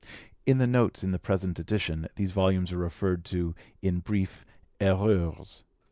[In the notes in this present edition these volumes are referred to in brief 'Erreurs'.